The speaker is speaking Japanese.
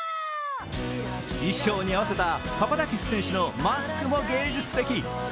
衣装に合わせたパパダキス選手のマスクも芸術的。